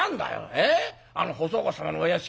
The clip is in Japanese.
えっあの細川様のお屋敷」。